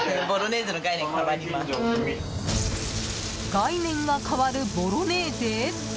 概念が変わるボロネーゼ？